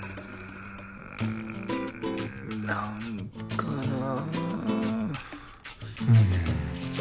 なんかなぁ。